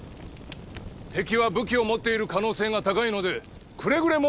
敵は武器を持っている可能性が高いのでくれぐれも。